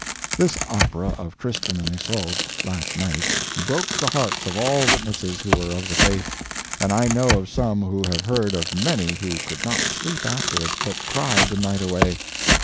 This opera of "Tristan and Isolde" last night broke the hearts of all witnesses who were of the faith, and I know of some who have heard of many who could not sleep after it, but cried the night away.